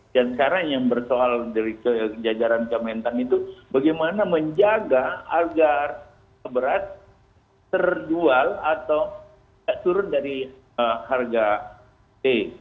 dan sekarang yang bersoal dari jajaran kementan itu bagaimana menjaga agar keberat terjual atau turun dari harga c